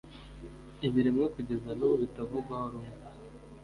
ibiremwa kugeza nubu bitavugwaho rumwe